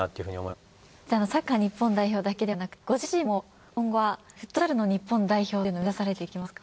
そしてサッカー日本代表だけではなくてご自身も今後はフットサルの日本代表というのを目指されていきますか？